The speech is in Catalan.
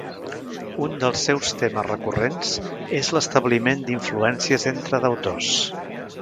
Un dels seus temes recurrents és l'establiment d'influències entre d'autors.